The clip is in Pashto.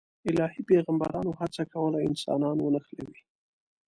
الهي پیغمبرانو هڅه کوله انسانان ونښلوي.